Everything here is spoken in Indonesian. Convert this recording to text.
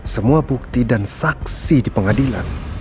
semua bukti dan saksi di pengadilan